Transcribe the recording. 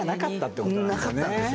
なかったんですよ。